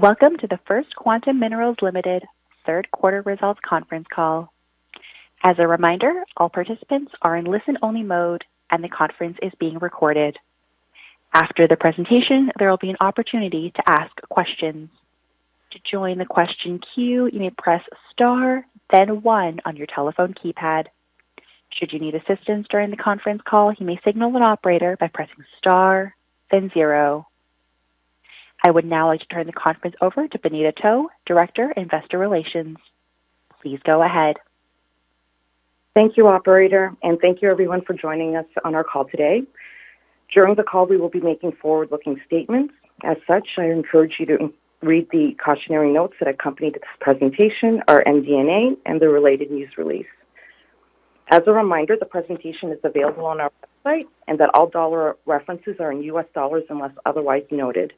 Welcome to the First Quantum Minerals Ltd. Q3 results conference call. As a reminder, all participants are in listen-only mode, and the conference is being recorded. After the presentation, there will be an opportunity to ask questions. To join the question queue, you may press star, then one on your telephone keypad. Should you need assistance during the conference call, you may signal an operator by pressing star then zero. I would now like to turn the conference over to Bonita To, Director, Investor Relations. Please go ahead. Thank you, operator, and thank you everyone for joining us on our call today. During the call, we will be making forward-looking statements. As such, I encourage you to read the cautionary notes that accompanied this presentation, our MD&A, and the related news release. As a reminder, the presentation is available on our website and that all dollar references are in US dollars unless otherwise noted.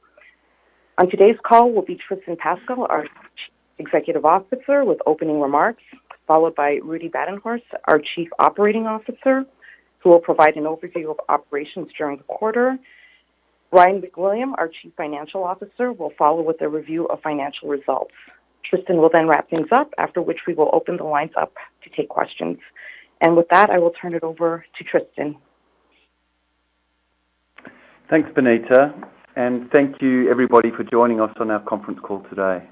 On today's call will be Tristan Pascall, our Chief Executive Officer, with opening remarks, followed by Rudi Badenhorst, our Chief Operating Officer, who will provide an overview of operations during the quarter. Ryan MacWilliam, our Chief Financial Officer, will follow with a review of financial results. Tristan will then wrap things up, after which we will open the lines up to take questions. With that, I will turn it over to Tristan. Thanks, Bonita, and thank you everybody for joining us on our conference call today.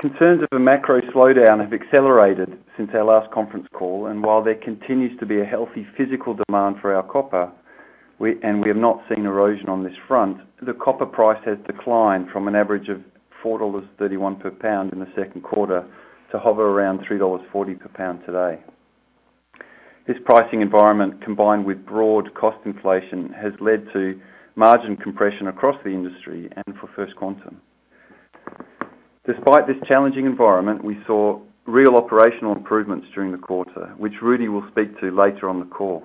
Concerns of a macro slowdown have accelerated since our last conference call, and while there continues to be a healthy physical demand for our copper, and we have not seen erosion on this front, the copper price has declined from an average of $4.31 per pound in the Q2 to hover around $3.40 per pound today. This pricing environment, combined with broad cost inflation, has led to margin compression across the industry and for First Quantum. Despite this challenging environment, we saw real operational improvements during the quarter, which Rudi will speak to later on the call.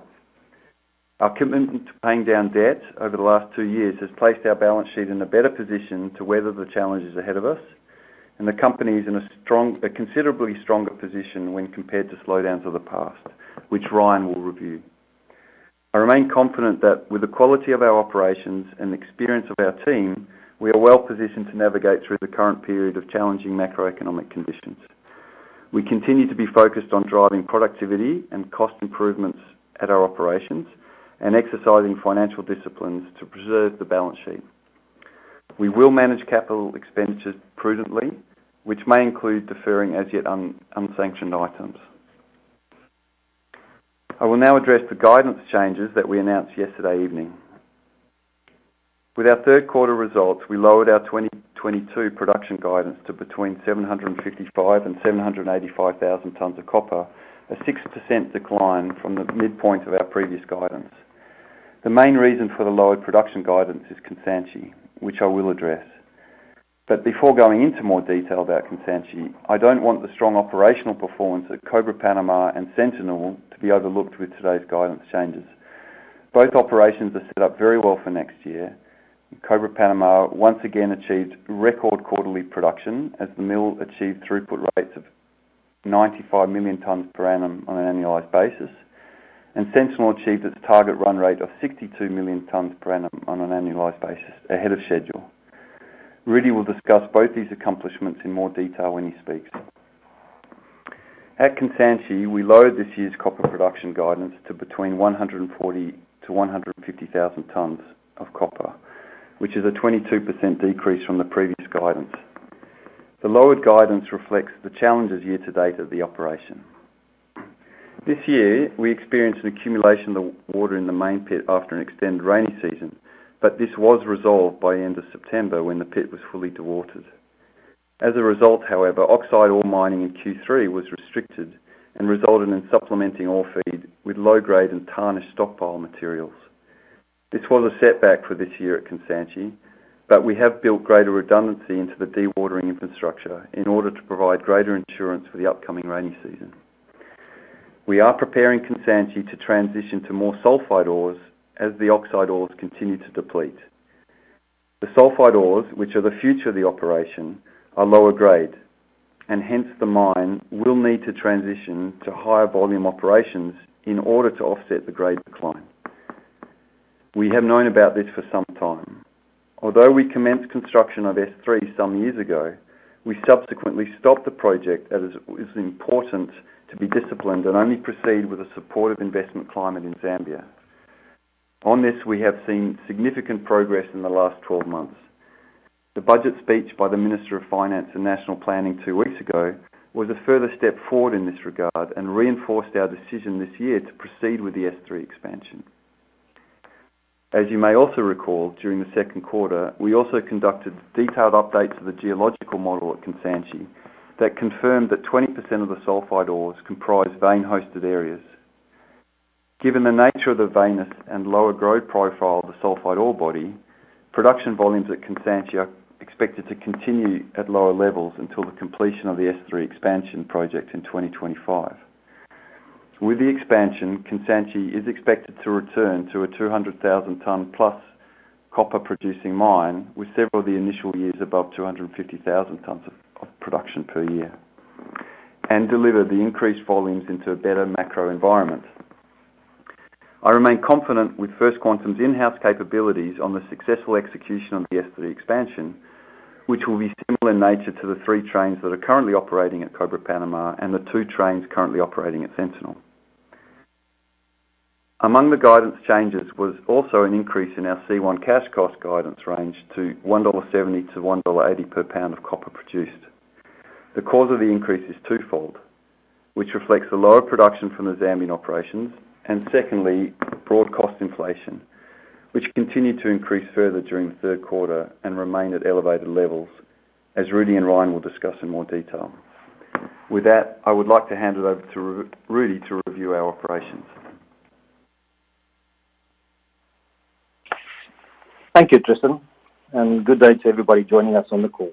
Our commitment to paying down debt over the last two years has placed our balance sheet in a better position to weather the challenges ahead of us, and the company is in a considerably stronger position when compared to slowdowns of the past, which Ryan will review. I remain confident that with the quality of our operations and the experience of our team, we are well positioned to navigate through the current period of challenging macroeconomic conditions. We continue to be focused on driving productivity and cost improvements at our operations and exercising financial disciplines to preserve the balance sheet. We will manage capital expenditures prudently, which may include deferring as-yet unsanctioned items. I will now address the guidance changes that we announced yesterday evening. With our Q3 results, we lowered our 2022 production guidance to between 755,000 and 785,000 tonnes of copper, a 6% decline from the midpoint of our previous guidance. The main reason for the lowered production guidance is Kansanshi, which I will address. Before going into more detail about Kansanshi, I don't want the strong operational performance at Cobre Panama and Sentinel to be overlooked with today's guidance changes. Both operations are set up very well for next year. Cobre Panama once again achieved record quarterly production as the mill achieved throughput rates of 95 million tonnes per annum on an annualized basis, and Sentinel achieved its target run rate of 62 million tonnes per annum on an annualized basis ahead of schedule. Rudi will discuss both these accomplishments in more detail when he speaks. At Kansanshi, we lowered this year's copper production guidance to between 140-150,000 tonnes of copper, which is a 22% decrease from the previous guidance. The lowered guidance reflects the challenges year to date of the operation. This year, we experienced an accumulation of water in the main pit after an extended rainy season, but this was resolved by end of September when the pit was fully dewatered. As a result, however, oxide ore mining in Q3 was restricted and resulted in supplementing ore feed with low-grade and tarnished stockpile materials. This was a setback for this year at Kansanshi, but we have built greater redundancy into the dewatering infrastructure in order to provide greater insurance for the upcoming rainy season. We are preparing Kansanshi to transition to more sulfide ores as the oxide ores continue to deplete. The sulfide ores, which are the future of the operation, are lower grade, and hence the mine will need to transition to higher volume operations in order to offset the grade decline. We have known about this for some time. Although we commenced construction of S3 some years ago, we subsequently stopped the project as it was important to be disciplined and only proceed with a supportive investment climate in Zambia. On this, we have seen significant progress in the last 12 months. The budget speech by the Minister of Finance and National Planning two weeks ago was a further step forward in this regard and reinforced our decision this year to proceed with the S3 expansion. As you may also recall, during the Q2, we also conducted detailed updates of the geological model at Kansanshi that confirmed that 20% of the sulfide ores comprise vein-hosted areas. Given the nature of the veinous and lower grade profile of the sulfide ore body, production volumes at Kansanshi are expected to continue at lower levels until the completion of the S3 expansion project in 2025. With the expansion, Kansanshi is expected to return to a 200,000 ton-plus copper producing mine, with several of the initial years above 250,000 tonnes of production per year, and deliver the increased volumes into a better macro environment. I remain confident with First Quantum's in-house capabilities on the successful execution of the S3 expansion, which will be similar in nature to the three trains that are currently operating at Cobre Panama and the two trains currently operating at Sentinel. Among the guidance changes was also an increase in our C1 cash cost guidance range to $1.70-$1.80 per pound of copper produced. The cause of the increase is twofold, which reflects the lower production from the Zambian operations and secondly, broad cost inflation, which continued to increase further during the Q3 and remain at elevated levels as Rudi and Ryan will discuss in more detail. With that, I would like to hand it over to Rudi to review our operations. Thank you, Tristan, and good day to everybody joining us on the call.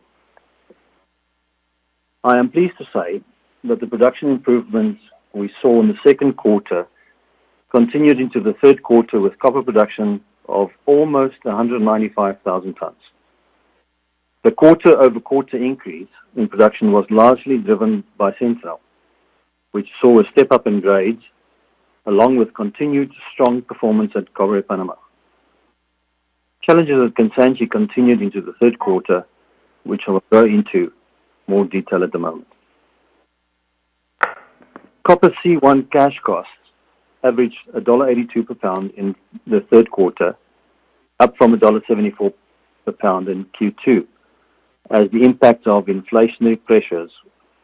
I am pleased to say that the production improvements we saw in the Q2 continued into the Q3 with copper production of almost 195,000 tons. The quarter-over-quarter increase in production was largely driven by Sentinel's, which saw a step up in grades along with continued strong performance at Cobre Panama. Challenges at Kansanshi continued into the Q3, which I'll go into more detail in a moment. Copper C1 cash costs averaged $1.82 per pound in the Q3, up from $1.74 per pound in Q2, as the impact of inflationary pressures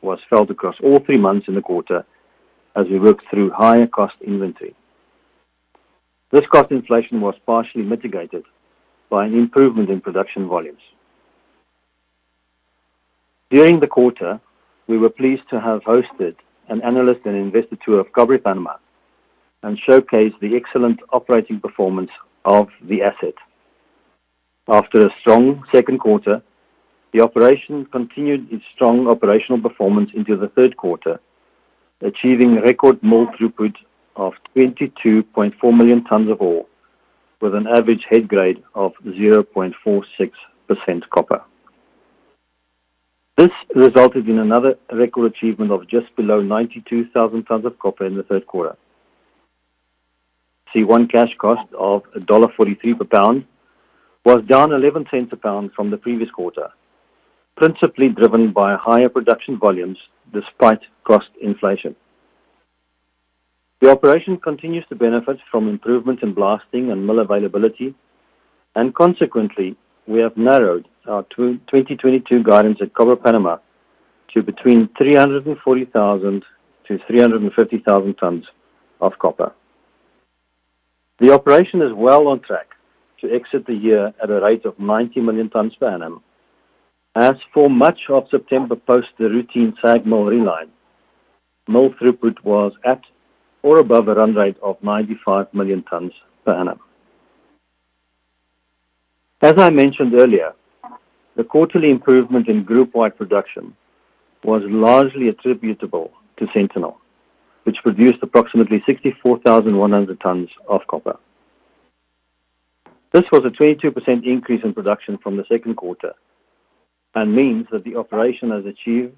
was felt across all three months in the quarter as we worked through higher cost inventory. This cost inflation was partially mitigated by an improvement in production volumes. During the quarter, we were pleased to have hosted an analyst and investor tour of Cobre Panama and showcased the excellent operating performance of the asset. After a strong Q2, the operation continued its strong operational performance into the Q3, achieving record mill throughput of 22.4 million tons of ore with an average head grade of 0.46% copper. This resulted in another record achievement of just below 92,000 tons of copper in the Q3. C1 cash cost of $1.43 per pound was down $0.11 per pound from the previous quarter, principally driven by higher production volumes despite cost inflation. The operation continues to benefit from improvements in blasting and mill availability, and consequently, we have narrowed our 2022 guidance at Cobre Panama to between 340,000 and 350,000 tons of copper. The operation is well on track to exit the year at a rate of 90 million tons per annum. As for much of September post the routine SAG mill reline, mill throughput was at or above a run rate of 95 million tons per annum. As I mentioned earlier, the quarterly improvement in group-wide production was largely attributable to Sentinel, which produced approximately 64,100 tons of copper. This was a 22% increase in production from the Q2 and means that the operation has achieved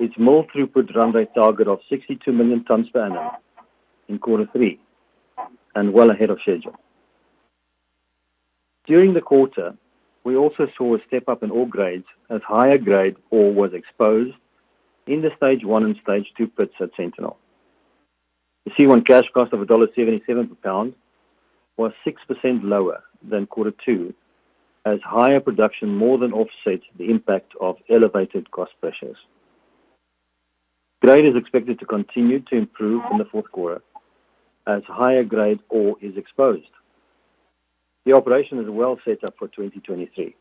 its mill throughput run rate target of 62 million tons per annum in quarter three and well ahead of schedule. During the quarter, we also saw a step up in ore grades as higher grade ore was exposed in the stage one and stage two pits at Sentinel. The C1 cash cost of $1.77 per pound was 6% lower than quarter two as higher production more than offset the impact of elevated cost pressures. Grade is expected to continue to improve in the Q4 as higher-grade ore is exposed. The operation is well set up for 2023.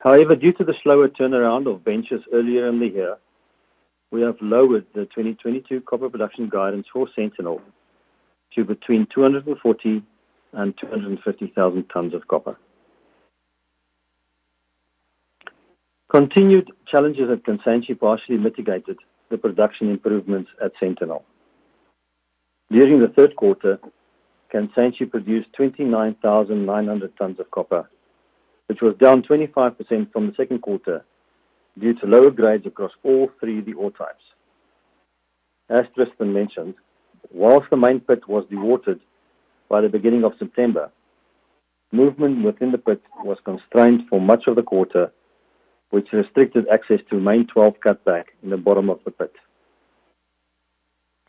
However, due to the slower turnaround of benches earlier in the year, we have lowered the 2022 copper production guidance for Sentinel to between 240,000 and 250,000 tons of copper. Continued challenges at Kansanshi partially mitigated the production improvements at Sentinel. During the Q3, Kansanshi produced 29,900 tons of copper, which was down 25% from the Q2 due to lower grades across all three of the ore types. As Tristan mentioned, while the mine pit was dewatered by the beginning of September, movement within the pit was constrained for much of the quarter, which restricted access to M12 cutback in the bottom of the pit.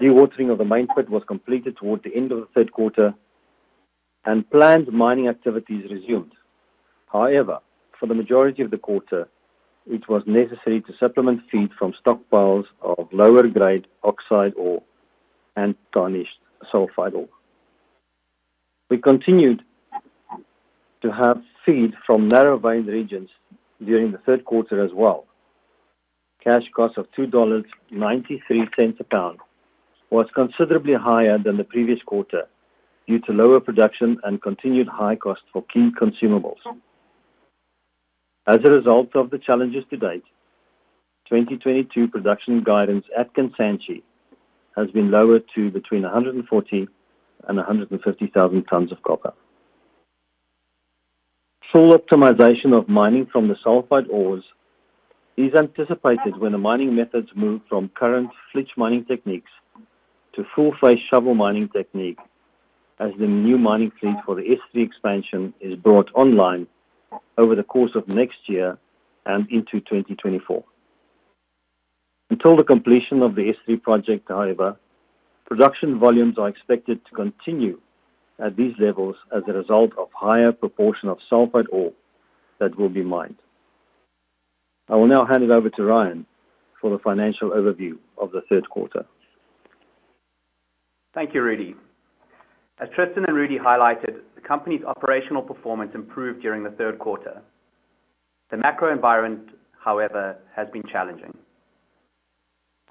Dewatering of the main pit was completed toward the end of the Q3 and planned mining activities resumed. However, for the majority of the quarter, it was necessary to supplement feed from stockpiles of lower grade oxide ore and tarnished sulfide ore. We continued to have feed from narrow vein regions during the Q3 as well. Cash cost of $2.93 a pound was considerably higher than the previous quarter due to lower production and continued high cost for key consumables. As a result of the challenges to date, 2022 production guidance at Kansanshi has been lowered to between 140,000 and 150,000 tons of copper. Full optimization of mining from the sulfide ores is anticipated when the mining methods move from current flitch mining techniques to full-face shovel mining technique as the new mining fleet for the S3 expansion is brought online over the course of next year and into 2024. Until the completion of the S3 project, however, production volumes are expected to continue at these levels as a result of higher proportion of sulfide ore that will be mined. I will now hand it over to Ryan for the financial overview of the Q3. Thank you, Rudi. As Tristan and Rudi highlighted, the company's operational performance improved during the Q3. The macro environment, however, has been challenging.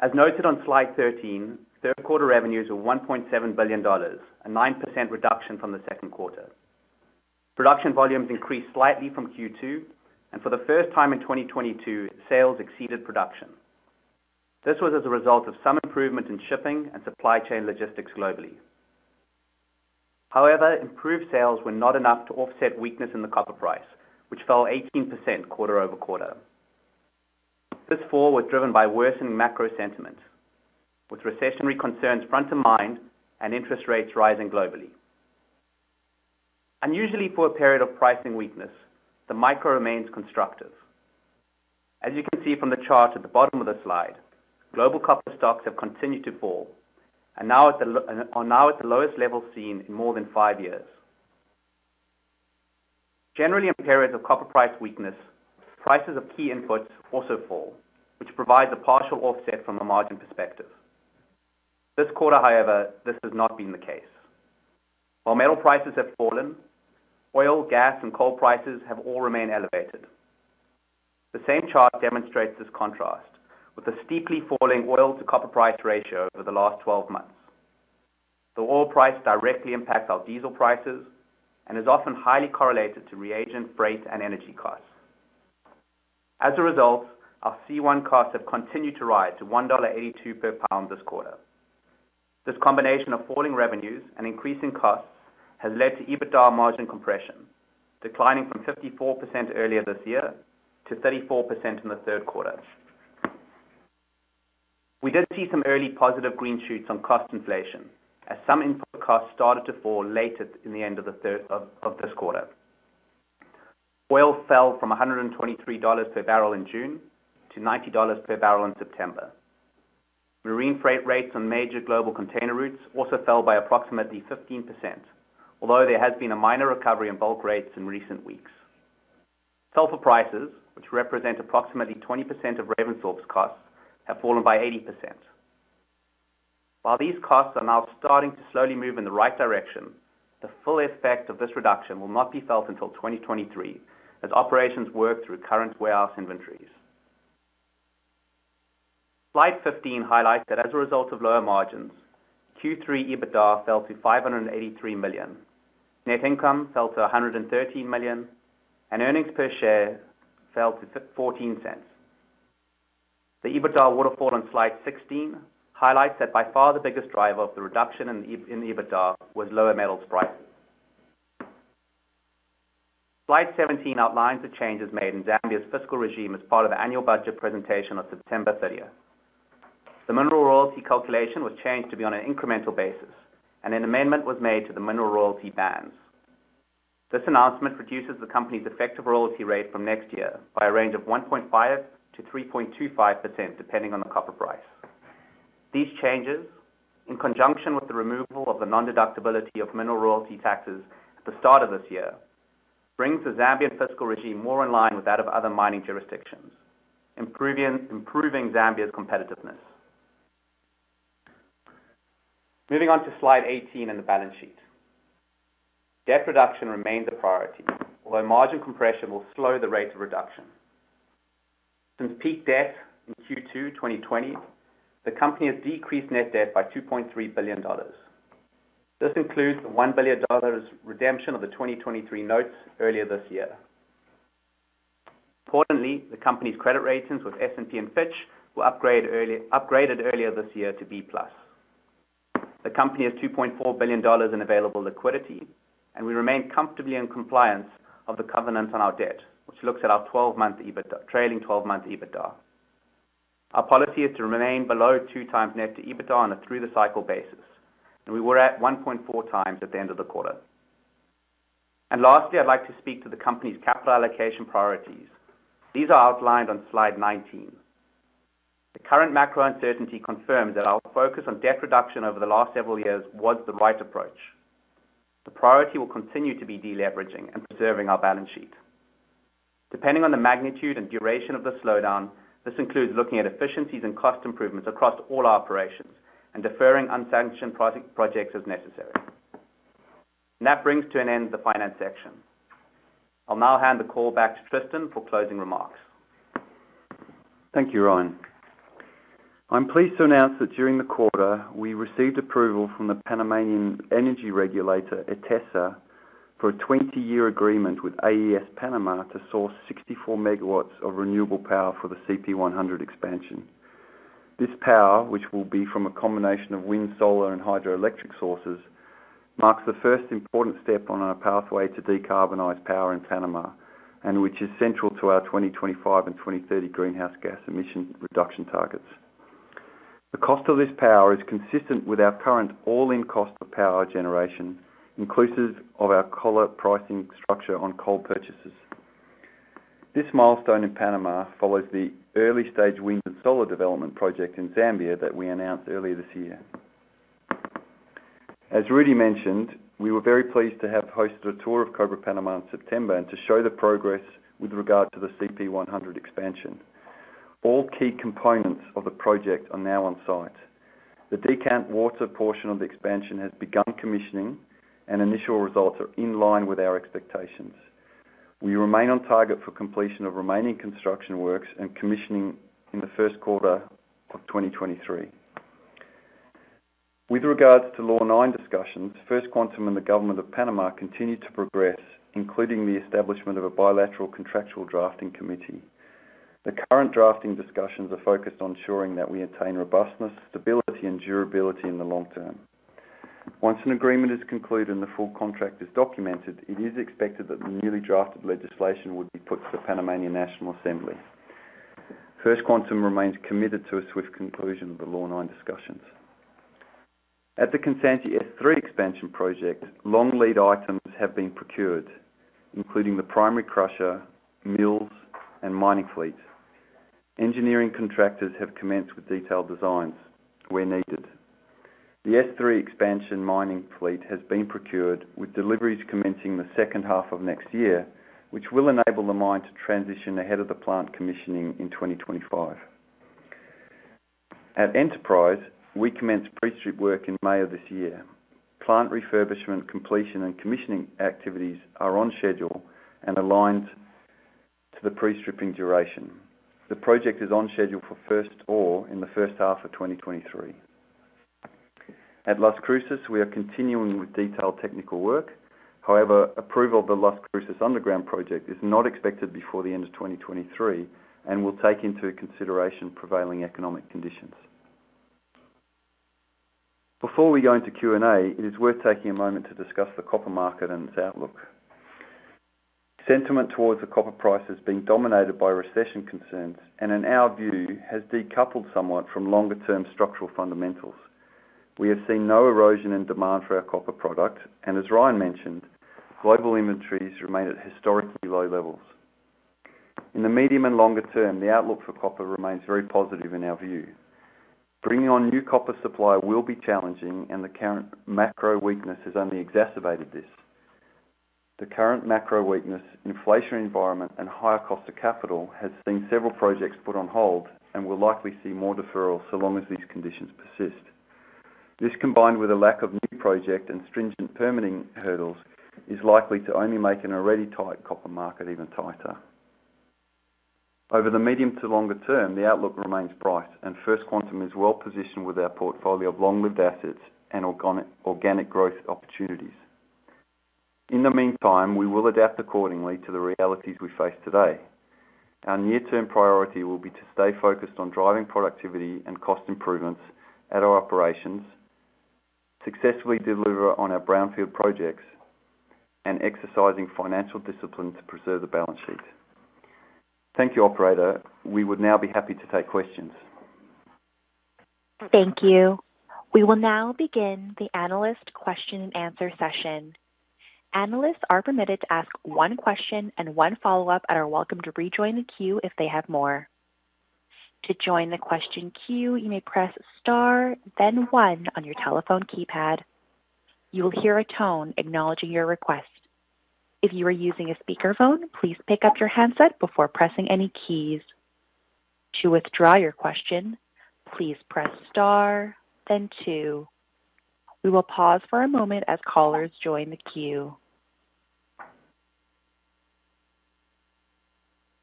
As noted on slide 13, Q3 revenues were $1.7 billion, a 9% reduction from the Q2. Production volumes increased slightly from Q2, and for the first time in 2022, sales exceeded production. This was as a result of some improvement in shipping and supply chain logistics globally. However, improved sales were not enough to offset weakness in the copper price, which fell 18% quarter-over-quarter. This fall was driven by worsening macro sentiment, with recessionary concerns front of mind and interest rates rising globally. Unusually for a period of pricing weakness, the micro remains constructive. As you can see from the chart at the bottom of the slide, global copper stocks have continued to fall and are now at the lowest level seen in more than five years. Generally, in periods of copper price weakness, prices of key inputs also fall, which provides a partial offset from a margin perspective. This quarter, however, this has not been the case. While metal prices have fallen, oil, gas, and coal prices have all remained elevated. The same chart demonstrates this contrast with a steeply falling oil-to-copper price ratio over the last 12 months. The oil price directly impacts our diesel prices and is often highly correlated to reagent, freight, and energy costs. As a result, our C1 costs have continued to rise to $1.82 per pound this quarter. This combination of falling revenues and increasing costs has led to EBITDA margin compression, declining from 54% earlier this year to 34% in the Q3. We did see some early positive green shoots on cost inflation as some input costs started to fall late at the end of the Q3. Oil fell from $123 per barrel in June to $90 per barrel in September. Marine freight rates on major global container routes also fell by approximately 15%, although there has been a minor recovery in bulk rates in recent weeks. Sulfur prices, which represent approximately 20% of Ravensthorpe's costs, have fallen by 80%. While these costs are now starting to slowly move in the right direction, the full effect of this reduction will not be felt until 2023 as operations work through current warehouse inventories. Slide 15 highlights that as a result of lower margins, Q3 EBITDA fell to $583 million. Net income fell to $113 million, and earnings per share fell to $0.14. The EBITDA waterfall on Slide 16 highlights that by far the biggest driver of the reduction in the EBITDA was lower metals prices. Slide 17 outlines the changes made in Zambia's fiscal regime as part of the annual budget presentation of September 30. The mineral royalty calculation was changed to be on an incremental basis, and an amendment was made to the mineral royalty bands. This announcement reduces the company's effective royalty rate from next year by a range of 1.5%-3.25%, depending on the copper price. These changes, in conjunction with the removal of the non-deductibility of mineral royalty taxes at the start of this year, brings the Zambian fiscal regime more in line with that of other mining jurisdictions, improving Zambia's competitiveness. Moving on to slide 18 and the balance sheet. Debt reduction remains a priority, although margin compression will slow the rate of reduction. Since peak debt in Q2 2020, the company has decreased net debt by $2.3 billion. This includes the $1 billion redemption of the 2023 notes earlier this year. Importantly, the company's credit ratings with S&P and Fitch were upgraded earlier this year to B+. The company has $2.4 billion in available liquidity, and we remain comfortably in compliance of the covenants on our debt, which looks at our twelve-month EBITDA, trailing twelve-month EBITDA. Our policy is to remain below two times net debt to EBITDA on a through-the-cycle basis, and we were at 1.4 times at the end of the quarter. Lastly, I'd like to speak to the company's capital allocation priorities. These are outlined on slide 19. The current macro uncertainty confirms that our focus on debt reduction over the last several years was the right approach. The priority will continue to be deleveraging and preserving our balance sheet. Depending on the magnitude and duration of the slowdown, this includes looking at efficiencies and cost improvements across all operations and deferring unsanctioned projects as necessary. That brings to an end the finance section. I'll now hand the call back to Tristan for closing remarks. Thank you, Ryan. I'm pleased to announce that during the quarter, we received approval from the Panamanian energy regulator, Etesa, for a 20-year agreement with AES Panama to source 64 megawatts of renewable power for the CP100 expansion. This power, which will be from a combination of wind, solar, and hydroelectric sources, marks the first important step on our pathway to decarbonize power in Panama, and which is central to our 2025 and 2030 greenhouse gas emission reduction targets. The cost of this power is consistent with our current all-in cost of power generation, inclusive of our collar pricing structure on coal purchases. This milestone in Panama follows the early-stage wind and solar development project in Zambia that we announced earlier this year. As Rudi mentioned, we were very pleased to have hosted a tour of Cobre Panama in September and to show the progress with regard to the CP100 expansion. All key components of the project are now on-site. The decant water portion of the expansion has begun commissioning, and initial results are in line with our expectations. We remain on target for completion of remaining construction works and commissioning in the Q1 of 2023. With regards to Law 9 discussions, First Quantum Minerals and the government of Panama continue to progress, including the establishment of a bilateral contractual drafting committee. The current drafting discussions are focused on ensuring that we attain robustness, stability, and durability in the long term. Once an agreement is concluded and the full contract is documented, it is expected that the newly drafted legislation would be put to the National Assembly of Panama. First Quantum Minerals remains committed to a swift conclusion of the Law 9 discussions. At the Kansanshi S3 expansion project, long lead items have been procured, including the primary crusher, mills, and mining fleet. Engineering contractors have commenced with detailed designs where needed. The S3 Expansion mining fleet has been procured with deliveries commencing the second half of next year, which will enable the mine to transition ahead of the plant commissioning in 2025. At Enterprise, we commenced pre-strip work in May of this year. Plant refurbishment completion and commissioning activities are on schedule and aligned to the pre-stripping duration. The project is on schedule for first ore in the first half of 2023. At Las Cruces, we are continuing with detailed technical work. However, approval of the Las Cruces underground project is not expected before the end of 2023 and will take into consideration prevailing economic conditions. Before we go into Q&A, it is worth taking a moment to discuss the copper market and its outlook. Sentiment towards the copper price has been dominated by recession concerns and in our view has decoupled somewhat from longer-term structural fundamentals. We have seen no erosion in demand for our copper product, and as Ryan mentioned, global inventories remain at historically low levels. In the medium and longer term, the outlook for copper remains very positive in our view. Bringing on new copper supply will be challenging, and the current macro weakness has only exacerbated this. The current macro weakness, inflation environment, and higher cost of capital has seen several projects put on hold and will likely see more deferral so long as these conditions persist. This, combined with a lack of new project and stringent permitting hurdles, is likely to only make an already tight copper market even tighter. Over the medium to longer term, the outlook remains bright, and First Quantum is well positioned with our portfolio of long-lived assets and organic growth opportunities. In the meantime, we will adapt accordingly to the realities we face today. Our near-term priority will be to stay focused on driving productivity and cost improvements at our operations, successfully deliver on our brownfield projects, and exercising financial discipline to preserve the balance sheet. Thank you, operator. We would now be happy to take questions. Thank you. We will now begin the analyst question-and-answer session. Analysts are permitted to ask one question and one follow-up and are welcome to rejoin the queue if they have more. To join the question queue, you may press star then one on your telephone keypad. You will hear a tone acknowledging your request. If you are using a speakerphone, please pick up your handset before pressing any keys. To withdraw your question, please press star then two. We will pause for a moment as callers join the queue.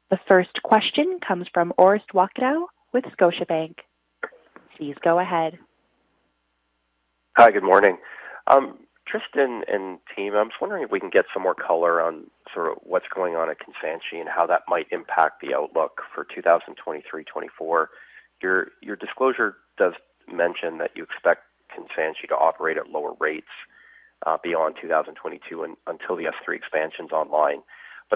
The first question comes from Orest Wowkodaw with Scotiabank. Please go ahead. Hi, good morning. Tristan and team, I'm just wondering if we can get some more color on sort of what's going on at Kansanshi and how that might impact the outlook for 2023, 2024. Your disclosure does mention that you expect Kansanshi to operate at lower rates beyond 2022 until the S3 expansion's online.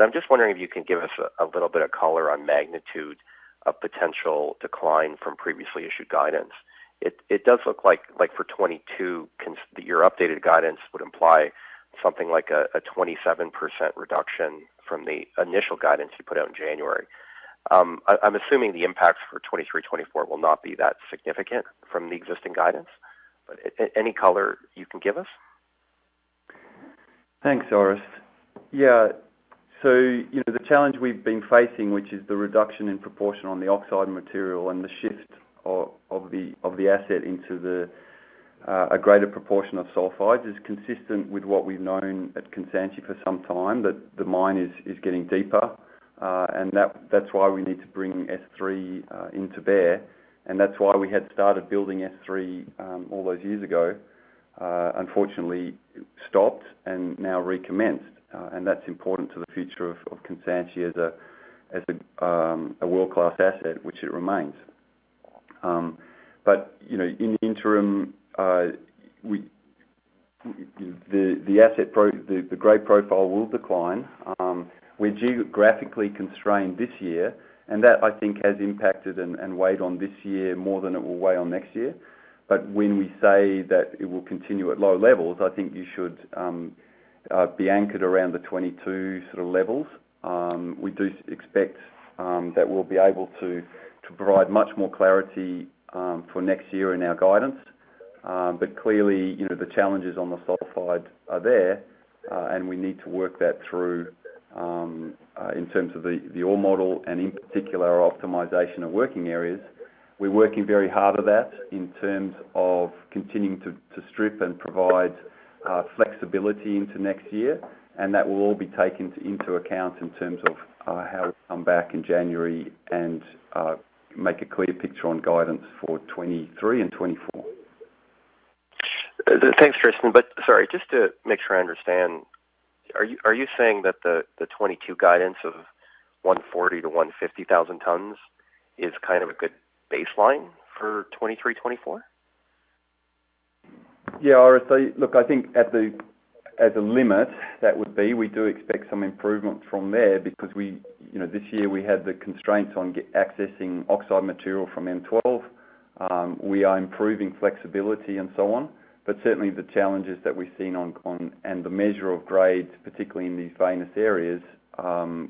I'm just wondering if you can give us a little bit of color on magnitude of potential decline from previously issued guidance. It does look like for 2022, your updated guidance would imply something like a 27% reduction from the initial guidance you put out in January. I'm assuming the impact for 2023, 2024 will not be that significant from the existing guidance. Any color you can give us? Thanks, Orest. The challenge we've been facing, which is the reduction in proportion on the oxide material and the shift of the asset into a greater proportion of sulfides, is consistent with what we've known at Kansanshi for some time, that the mine is getting deeper, and that's why we need to bring S3 into play. That's why we had started building S3 all those years ago. Unfortunately stopped and now recommenced. That's important to the future of Kansanshi as a world-class asset, which it remains. In the interim, the grade profile will decline. We're geographically constrained this year, and that I think has impacted and weighed on this year more than it will weigh on next year. When we say that it will continue at low levels, I think you should be anchored around the 22 sort of levels. We do expect that we'll be able to provide much more clarity for next year in our guidance. clearly the challenges on the sulfide are there, and we need to work that through in terms of the ore model and in particular optimization of working areas. We're working very hard at that in terms of continuing to strip and provide flexibility into next year. That will all be taken into account in terms of how we come back in January and make a clear picture on guidance for 2023 and 2024. Thanks, Tristan. Sorry, just to make sure I understand, are you saying that the 2022 guidance of 140,000 to 150,000 tons is kind of a good baseline for 2023, 2024? Yeah, orest. Look, I think at the limit that would be we do expect some improvement from there because we this year we had the constraints on accessing oxide material from M12. We are improving flexibility and so on, but certainly the challenges that we've seen on grades, particularly in these veinous areas.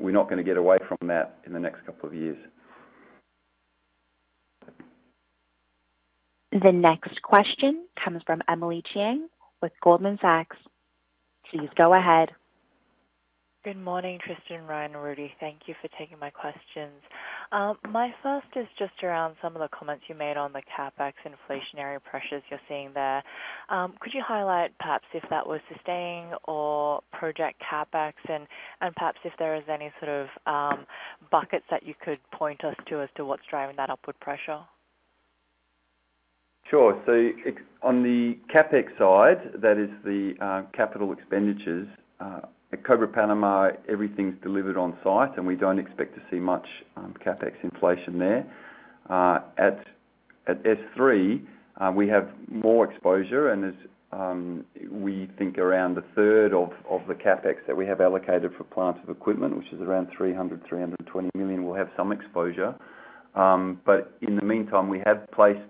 We're not going to get away from that in the next couple of years. The next question comes from Emily Chang with Goldman Sachs. Please go ahead. Good morning, Tristan, Ryan, Rudi. Thank you for taking my questions. My first is just around some of the comments you made on the CapEx inflationary pressures you're seeing there. Could you highlight perhaps if that was sustaining or project CapEx and perhaps if there is any sort of buckets that you could point us to as to what's driving that upward pressure? Sure. On the CapEx side, that is the capital expenditures. At Cobre Panama, everything's delivered on site, and we don't expect to see much CapEx inflation there. At S3, we have more exposure, and we think around a third of the CapEx that we have allocated for plant and equipment, which is around $320 million, we'll have some exposure. In the meantime, we have placed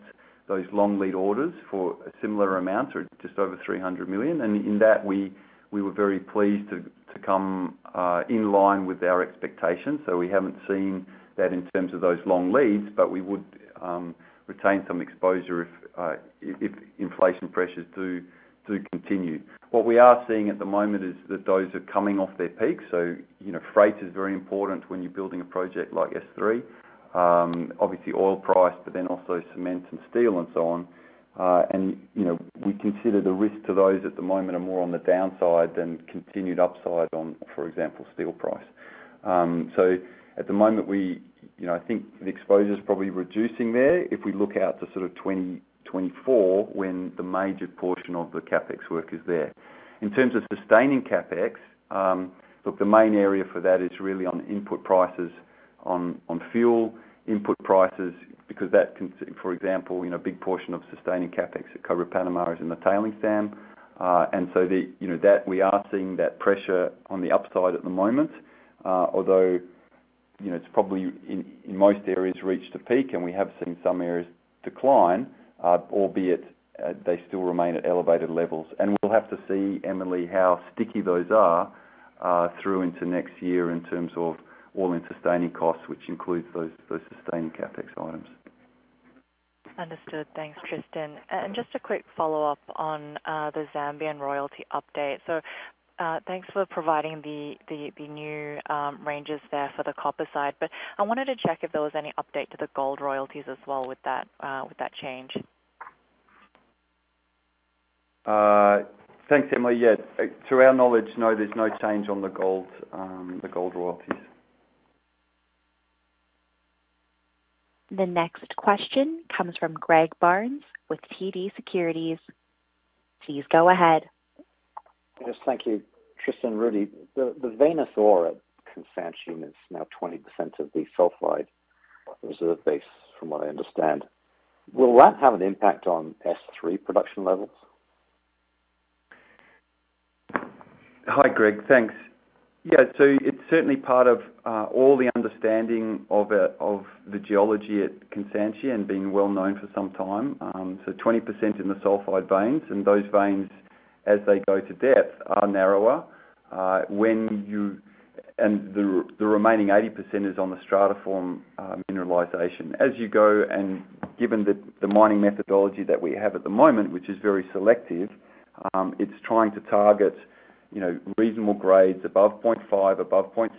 those long lead orders for a similar amount or just over $300 million. In that, we were very pleased to come in line with our expectations. We haven't seen that in terms of those long leads, but we would retain some exposure if inflation pressures do continue. What we are seeing at the moment is that those are coming off their peak. Freight is very important when you're building a project like S3. Obviously oil price, but then also cement and steel and so on. We consider the risk to those at the moment are more on the downside than continued upside on, for example, steel price. At the moment I think the exposure is probably reducing there if we look out to sort of 2024 when the major portion of the CapEx work is there. In terms of sustaining CapEx, look, the main area for that is really on input prices on fuel input prices because that can, for example a big portion of sustaining CapEx at Cobre Panama is in the tailings dam. That we are seeing that pressure on the upside at the moment, although it's probably in most areas reached a peak, and we have seen some areas decline, albeit they still remain at elevated levels. We'll have to see, Emily, how sticky those are through into next year in terms of all-in sustaining costs, which includes those sustaining CapEx items. Understood. Thanks, Tristan. Just a quick follow-up on the Zambian royalty update. Thanks for providing the new ranges there for the copper side. I wanted to check if there was any update to the gold royalties as well with that change. Thanks, Emily. Yeah. To our knowledge, no, there's no change on the gold royalties. The next question comes from Greg Barnes with TD Securities. Please go ahead. Yes, thank you. Tristan, Rudi, the veinous ore at Kansanshi is now 20% of the sulfide reserve base, from what I understand. Will that have an impact on S3 production levels? Hi, Greg. Thanks. Yeah. It's certainly part of all the understanding of the geology at Kansanshi and being well known for some time. 20% in the sulfide veins, and those veins, as they go to depth, are narrower. The remaining 80% is on the stratiform mineralization. As you go, and given the mining methodology that we have at the moment, which is very selective, it's trying to target reasonable grades above 0.5, above 0.6%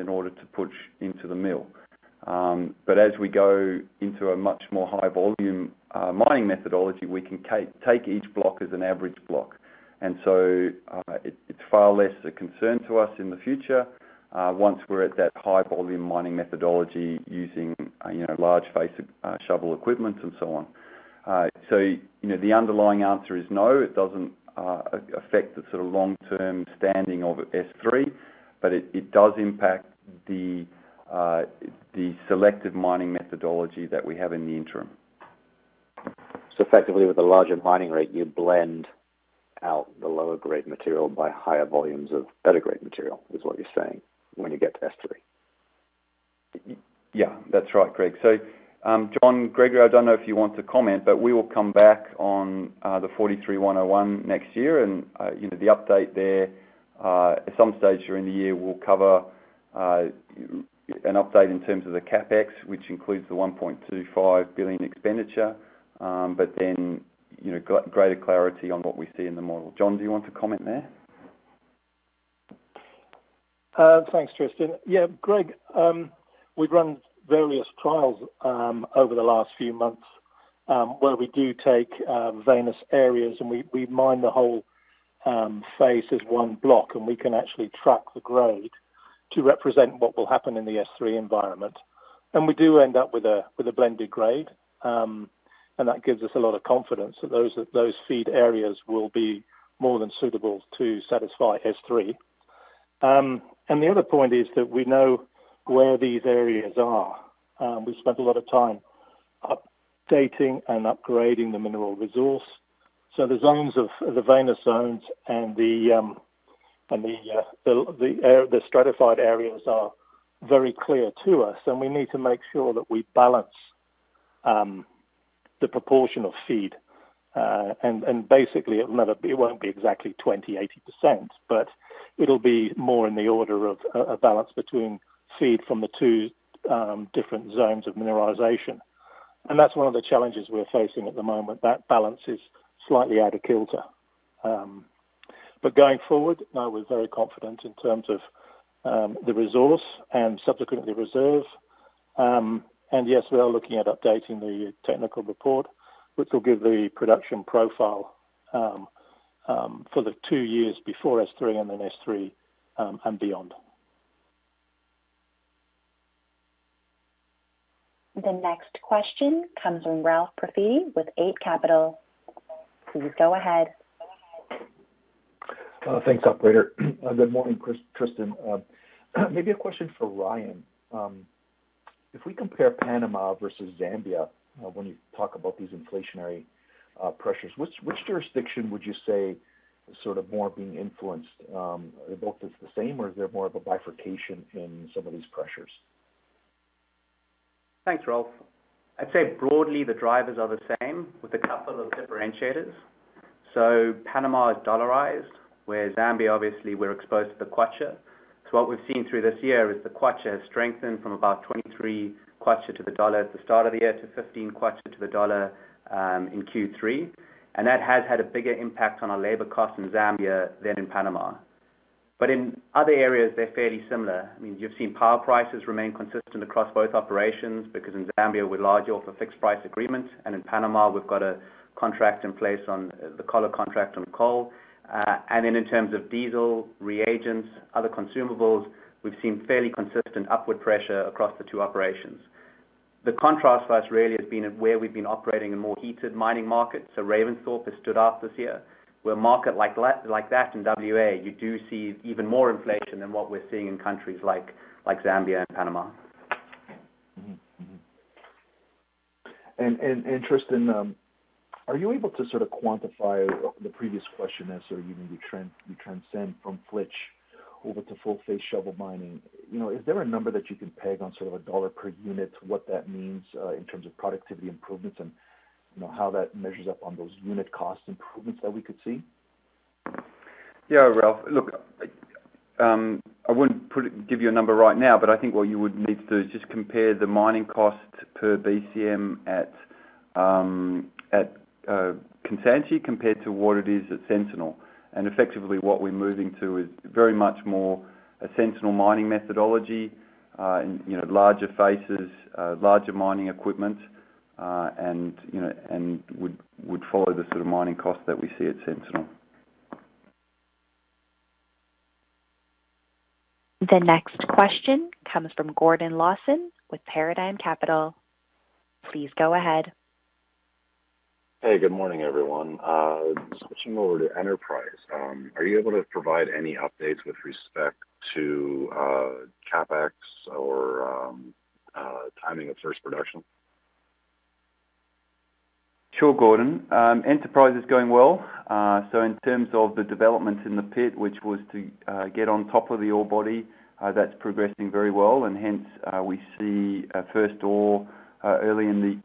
in order to push into the mill. As we go into a much more high volume mining methodology, we can take each block as an average block. It's far less a concern to us in the future once we're at that high volume mining methodology using you know large face shovel equipment and so on. The underlying answer is no, it doesn't affect the sort of long-term standing of S3, but it does impact the selective mining methodology that we have in the interim. Effectively, with a larger mining rate, you blend out the lower grade material by higher volumes of better grade material, is what you're saying, when you get to S3? Yeah, that's right, Greg. John Gregory, I don't know if you want to comment, but we will come back on the NI 43-101 next year. The update there, at some stage during the year will cover an update in terms of the CapEx, which includes the $1.25 billion expenditure. Greater clarity on what we see in the model. John, do you want to comment there? Thanks, Tristan. Yeah, Greg, we've run various trials over the last few months where we do take vein areas and we mine the whole face as one block, and we can actually track the grade to represent what will happen in the S3 environment. We do end up with a blended grade, and that gives us a lot of confidence that those feed areas will be more than suitable to satisfy S3. The other point is that we know where these areas are. We spent a lot of time updating and upgrading the mineral resource. The zones of the vein zones and the stratified areas are very clear to us, and we need to make sure that we balance the proportion of feed. Basically, it'll never be exactly 20%-80%, but it'll be more in the order of a balance between feed from the two different zones of mineralization. That's one of the challenges we're facing at the moment. That balance is slightly out of kilter. Going forward, no, we're very confident in terms of the resource and subsequently reserve. Yes, we are looking at updating the technical report, which will give the production profile for the two years before S3 and then S3 and beyond. The next question comes from Ralph Profiti with Eight Capital. Please go ahead. Thanks, operator. Good morning, Tristan. Maybe a question for Ryan. If we compare Panama versus Zambia, when you talk about these inflationary pressures, which jurisdiction would you say is sort of more being influenced? Are they both just the same or is there more of a bifurcation in some of these pressures? Thanks, Ralph. I'd say broadly the drivers are the same with a couple of differentiators. Panama is dollarized, where Zambia obviously we're exposed to the kwacha. What we've seen through this year is the kwacha has strengthened from about 23 kwacha to the dollar at the start of the year to 15 kwacha to the dollar in Q3. That has had a bigger impact on our labor costs in Zambia than in Panama. In other areas, they're fairly similar. I mean, you've seen power prices remain consistent across both operations because in Zambia, we're on a fixed price agreement, and in Panama, we've got a contract in place on the coal contract on coal. And then in terms of diesel, reagents, other consumables, we've seen fairly consistent upward pressure across the two operations. The contrast for us really has been where we've been operating in more heated mining markets. Ravensthorpe has stood out this year. Where a market like that in WA, you do see even more inflation than what we're seeing in countries like Zambia and Panama. Tristan, are you able to sort of quantify the previous question as sort of we transcend from flitch over to full-face shovel mining? Is there a number that you can peg on sort of a dollar per unit, what that means, in terms of productivity improvements and how that measures up on those unit cost improvements that we could see? Yeah, Ralph. Look, I wouldn't give you a number right now, but I think what you would need to do is just compare the mining cost per BCM at Kansanshi compared to what it is at Sentinel. Effectively, what we're moving to is very much more a Sentinel mining methodology larger Phases, larger mining equipment, and and would follow the sort of mining cost that we see at Sentinel. The next question comes from Gordon Lawson with Paradigm Capital. Please go ahead. Hey, good morning, everyone. Switching over to Enterprise, are you able to provide any updates with respect to CapEx or timing of first production? Sure, Gordon. Enterprise is going well. In terms of the development in the pit, which was to get on top of the ore body, that's progressing very well. Hence, we see a first ore early in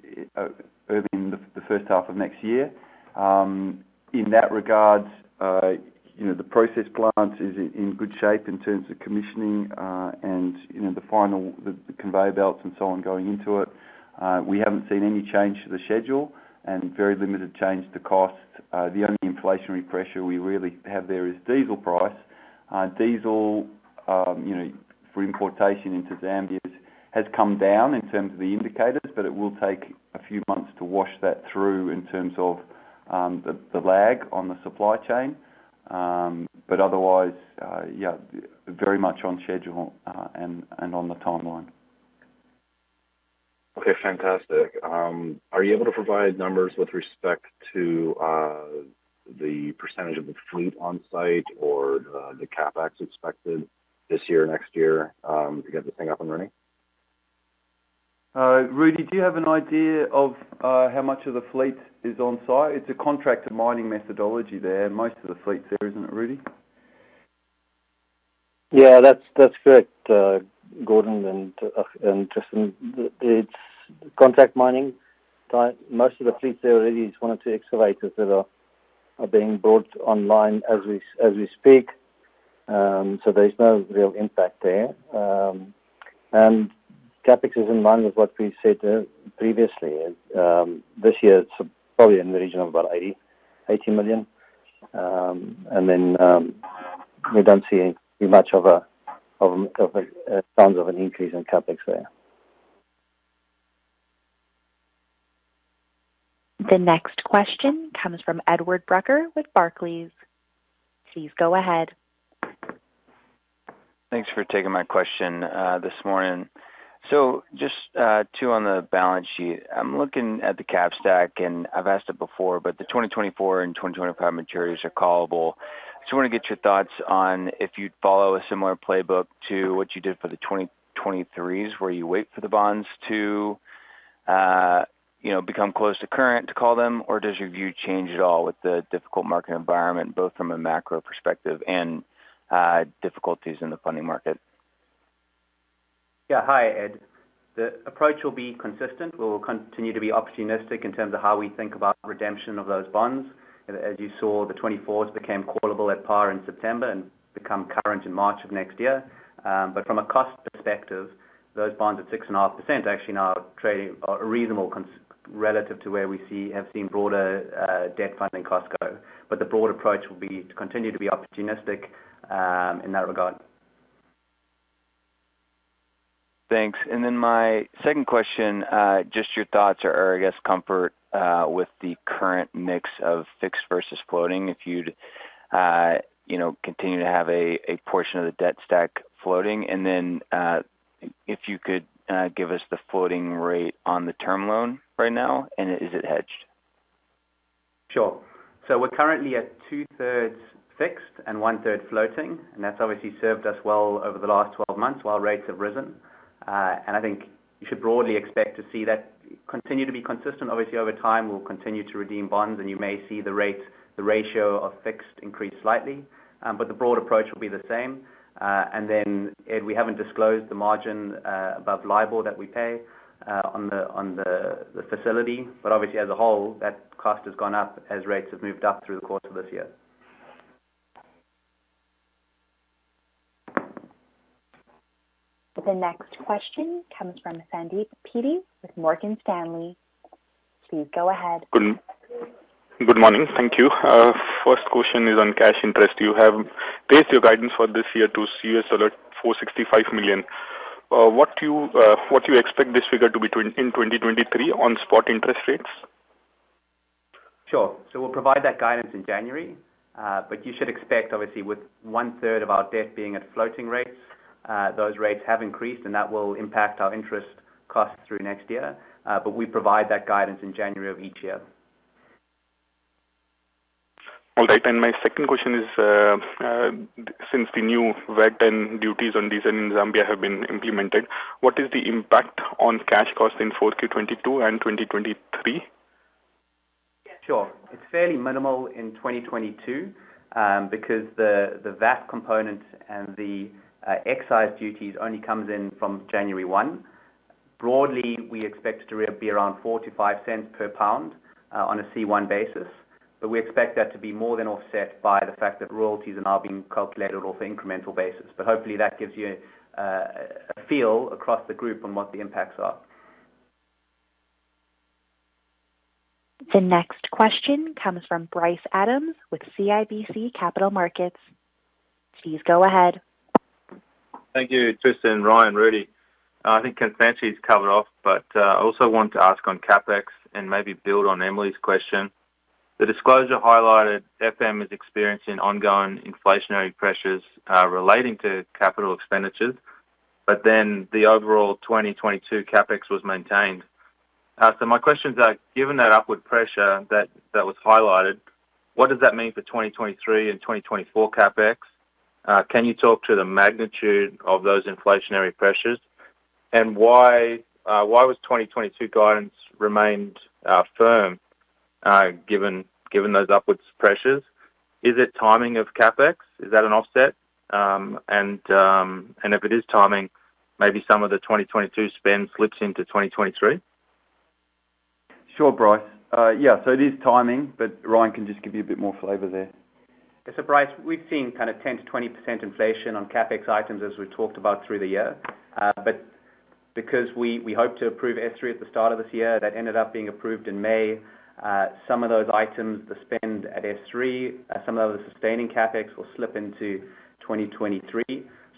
the first half of next year. In that regard the process plant is in good shape in terms of commissioning, and the final conveyor belts and so on going into it. We haven't seen any change to the schedule and very limited change to cost. The only inflationary pressure we really have there is diesel price. diesel for importation into Zambia has come down in terms of the indicators, but it will take a few months to wash that through in terms of the lag on the supply chain. Otherwise, yeah, very much on schedule, and on the timeline. Okay, fantastic. Are you able to provide numbers with respect to the percentage of the fleet on site or the CapEx expected this year, next year, to get this thing up and running? Rudi, do you have an idea of how much of the fleet is on site? It's a contracted mining methodology there. Most of the fleet's there, isn't it, Rudi? Yeah, that's correct, Gordon and Tristan. It's contract mining. Most of the fleet there already is one or two excavators that are being brought online as we speak. There's no real impact there. CapEx is in line with what we said previously. This year it's probably in the region of about $80 million. We don't see much of a ton of an increase in CapEx there. The next question comes from Edward Brucker with Barclays. Please go ahead. Thanks for taking my question, this morning. Just two on the balance sheet. I'm looking at the cap stack, and I've asked it before, but the 2024 and 2025 maturities are callable. Just want to get your thoughts on if you'd follow a similar playbook to what you did for the 2023s, where you wait for the bonds to become close to par to call them, or does your view change at all with the difficult market environment, both from a macro perspective and difficulties in the funding market? Yeah. Hi, Ed. The approach will be consistent. We will continue to be opportunistic in terms of how we think about redemption of those bonds. As you saw, the 2024s became callable at par in September and become current in March of next year. From a cost perspective, those bonds at 6.5% actually now trading are reasonable relative to where we see, have seen broader, debt funding costs go. The broad approach will be to continue to be opportunistic in that regard. Thanks. Then my second question, just your thoughts or I guess, comfort, with the current mix of fixed versus floating, if you'd continue to have a portion of the debt stack floating. Then, if you could, give us the floating rate on the term loan right now, and is it hedged? Sure. We're currently at two-thirds fixed and one-third floating, and that's obviously served us well over the last 12 months while rates have risen. I think you should broadly expect to see that continue to be consistent. Obviously, over time, we'll continue to redeem bonds, and you may see the rate, the ratio of fixed increase slightly. The broad approach will be the same. Ed, we haven't disclosed the margin above LIBOR that we pay on the facility. Obviously, as a whole, that cost has gone up as rates have moved up through the course of this year. The next question comes from Sandeep Peeti with Morgan Stanley. Please go ahead. Good morning Good morning. Thank you. First question is on cash interest. You have raised your guidance for this year to $465 million. What do you expect this figure to be in 2023 on spot interest rates? Sure. We'll provide that guidance in January. You should expect obviously with one-third of our debt being at floating rates, those rates have increased, and that will impact our interest costs through next year. We provide that guidance in January of each year. All right. My second question is, since the new VAT and duties on diesel in Zambia have been implemented, what is the impact on cash costs in fourth Q 2022 and 2023? Sure. It's fairly minimal in 2022, because the VAT component and the excise duties only come in from January 1. Broadly, we expect it to be around $0.04-$0.05 per pound on a C1 basis. We expect that to be more than offset by the fact that royalties are now being calculated on incremental basis. Hopefully, that gives you a feel across the group on what the impacts are. The next question comes from Bryce Adams with CIBC Capital Markets. Please go ahead. Thank you, Tristan, Ryan, Rudi. I think Sandeep's covered off, but I also want to ask on CapEx and maybe build on Emily's question. The disclosure highlighted FM is experiencing ongoing inflationary pressures relating to capital expenditures, but then the overall 2022 CapEx was maintained. My questions are, given that upward pressure that was highlighted, what does that mean for 2023 and 2024 CapEx? Can you talk to the magnitude of those inflationary pressures? And why was 2022 guidance remained firm given those upwards pressures? Is it timing of CapEx? Is that an offset? If it is timing, maybe some of the 2022 spend slips into 2023. Sure, Bryce. It is timing, but Ryan can just give you a bit more flavor there. Bryce, we've seen kind of 10%-20% inflation on CapEx items as we talked about through the year. Because we hoped to approve S3 at the start of this year, that ended up being approved in May. Some of those items, the spend at S3, some of the sustaining CapEx will slip into 2023.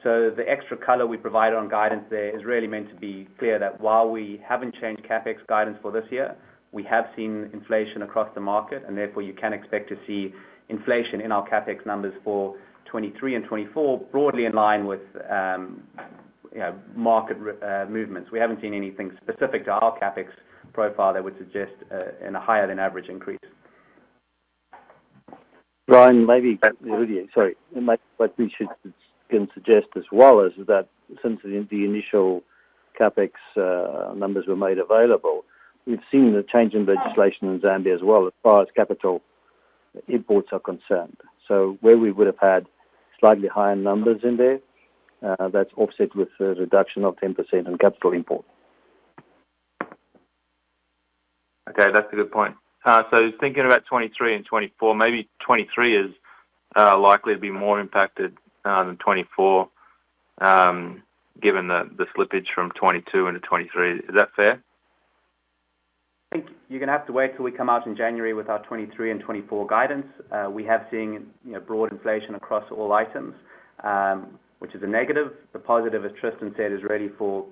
The extra color we provided on guidance there is really meant to be clear that while we haven't changed CapEx guidance for this year, we have seen inflation across the market, and therefore you can expect to see inflation in our CapEx numbers for 2023 and 2024 broadly in line with market movements. We haven't seen anything specific to our CapEx profile that would suggest a higher than average increase. Ryan, maybe- Uh Rudi, sorry. What we should can suggest as well is that since the initial CapEx numbers were made available, we've seen the change in legislation in Zambia as well as far as capital imports are concerned. Where we would have had slightly higher numbers in there, that's offset with a reduction of 10% in capital import. Okay, that's a good point. So thinking about 2023 and 2024, maybe 2023 is likely to be more impacted than 2024, given the slippage from 2022 into 2023. Is that fair? I think you're going to have to wait till we come out in January with our 2023 and 2024 guidance. We have seen broad inflation across all items, which is a negative. The positive, as Tristan said, is really for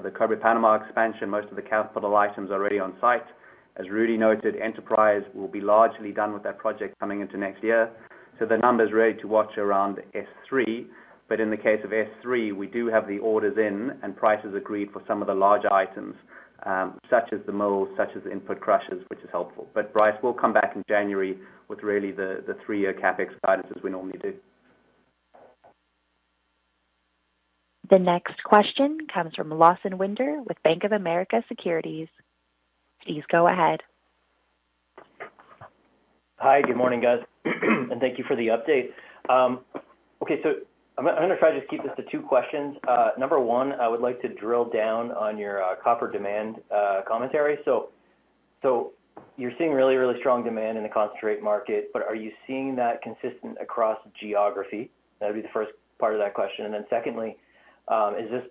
the Cobre Panama expansion. Most of the capital items are already on site. As Rudi noted, enterprise will be largely done with that project coming into next year. The number is really to watch around S3. In the case of S3, we do have the orders in and prices agreed for some of the larger items, such as the mills, such as the input crushers, which is helpful. Bryce, we'll come back in January with really the three-year CapEx guidance as we normally do. The next question comes from Lawson Winder with Bank of America Securities. Please go ahead. Hi. Good morning, guys, and thank you for the update. Okay, so I'm going to try to just keep this to two questions. Number one, I would like to drill down on your copper demand commentary. So you're seeing really strong demand in the concentrate market, but are you seeing that consistent across geography? That'd be the first part of that question. Secondly, is this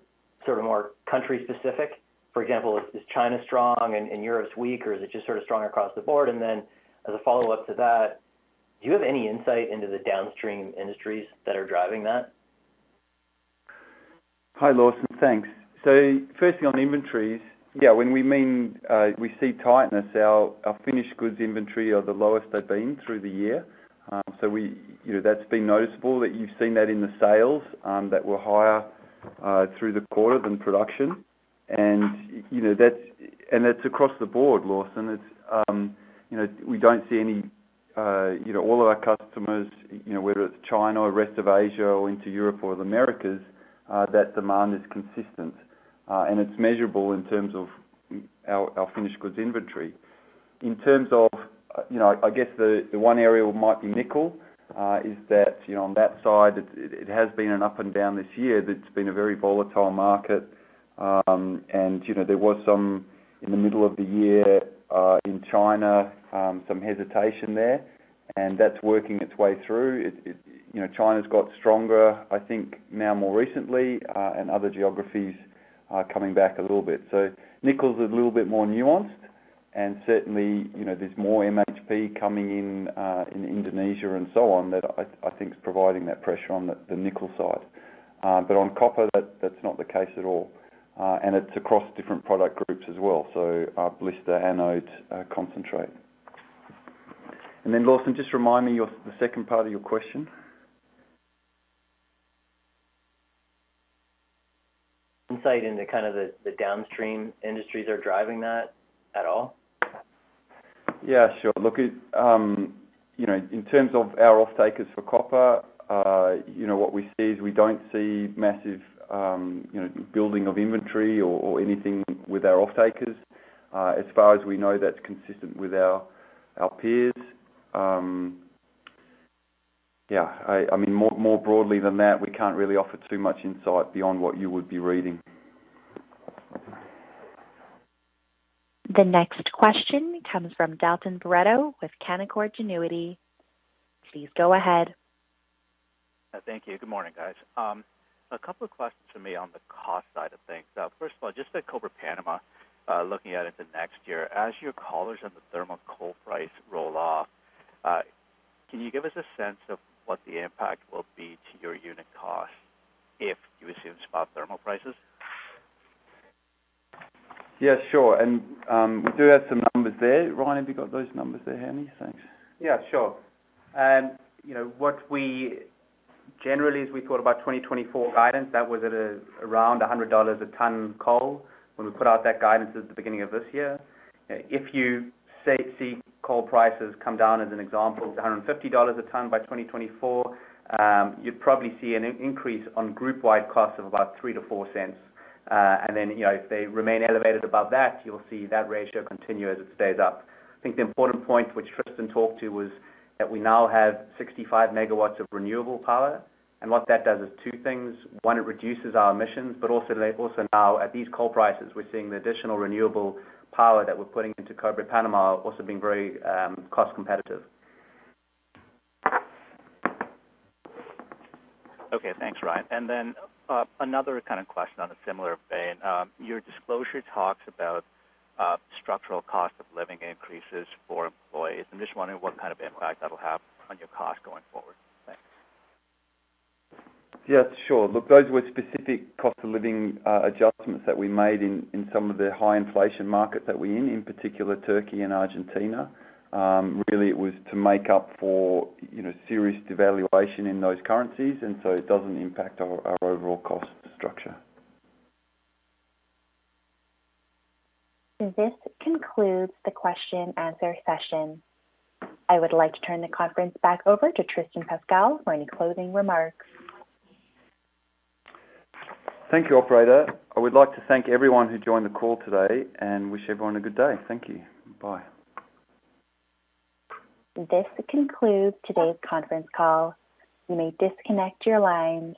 sort of more country specific? For example, is China strong and Europe weak, or is it just sort of strong across the board? As a follow-up to that, do you have any insight into the downstream industries that are driving that? Hi, Lawson. Thanks. So first thing on inventories. Yeah, we mean we see tightness. Our finished goods inventory are the lowest they've been through the year. So we that's been noticeable that you've seen that in the sales that were higher through the quarter than production. That's across the board, Lawson. it's we don't see any all of our customers whether it's China or rest of Asia or into Europe or the Americas, that demand is consistent. And it's measurable in terms of our finished goods inventory. In terms of I guess the one area might be nickel is that on that side it has been up and down this year. That it's been a very volatile market. there was some in the middle of the year in China, some hesitation there, and that's working its way through. It China's got stronger, I think now more recently, and other geographies are coming back a little bit. Nickel’s a little bit more nuanced. certainly there's more MHP coming in in Indonesia and so on that I think is providing that pressure on the nickel side. On copper, that's not the case at all. It's across different product groups as well. Our blister anodes, concentrate. Lawson, just remind me your the second part of your question. Insight into kind of the downstream industries are driving that at all? Yeah, sure. look in terms of our off-takers for copper what we see is we don't see massive building of inventory or anything with our off-takers. As far as we know, that's consistent with our peers. Yeah, I mean, more broadly than that, we can't really offer too much insight beyond what you would be reading. The next question comes from Dalton Baretto with Canaccord Genuity. Please go ahead. Thank you. Good morning, guys. A couple of questions for me on the cost side of things. First of all, just at Cobre Panamá, looking ahead at the next year. As your collars on the thermal coal price roll off, can you give us a sense of what the impact will be to your unit cost if you assume spot thermal prices? Yeah, sure. We do have some numbers there. Ryan, have you got those numbers there handy? Thanks. Yeah, sure. What we generally as we thought about 2024 guidance, that was around $100 a ton coal when we put out that guidance at the beginning of this year. If you say, see coal prices come down as an example to $150 a ton by 2024, you'd probably see an increase on group-wide costs of about $0.03-$0.04. If they remain elevated above that, you'll see that ratio continue as it stays up. I think the important point which Tristan talked to was that we now have 65 megawatts of renewable power. What that does is two things. One, it reduces our emissions, but also now at these coal prices, we're seeing the additional renewable power that we're putting into Cobre Panama also being very cost competitive. Okay, thanks, Ryan. Another kind of question on a similar vein. Your disclosure talks about structural cost of living increases for employees. I'm just wondering what kind of impact that'll have on your cost going forward. Thanks. Yeah, sure. Look, those were specific cost of living adjustments that we made in some of the high inflation markets that we're in particular Turkey and Argentina. Really, it was to make up for serious devaluation in those currencies, and so it doesn't impact our overall cost structure. This concludes the question and answer session. I would like to turn the conference back over to Tristan Pascall for any closing remarks. Thank you, operator. I would like to thank everyone who joined the call today and wish everyone a good day. Thank you. Bye. This concludes today's conference call. You may disconnect your lines.